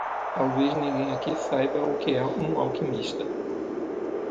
Talvez ninguém aqui saiba o que é um alquimista!